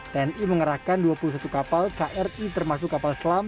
tni mengerahkan dua puluh satu kapal kri termasuk kapal selam